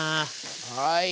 はい。